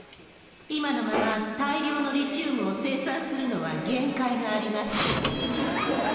今のまま、大量のリチウムを生産するのは限界があります。